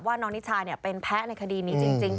ว่าน้องนิชาเป็นแพ้ในคดีนี้จริง